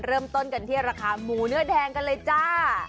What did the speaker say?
เริ่มต้นกันที่ราคาหมูเนื้อแดงกันเลยจ้า